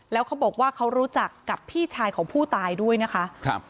แล้วเขาบอกว่าเขารู้จักกับพี่ชายของผู้ตายด้วยนะคะครับ